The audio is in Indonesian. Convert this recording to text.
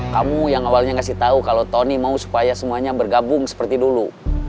kamu yang awalnya ngasih tahu kalau tony mau supaya semuanya bergabung seperti dulu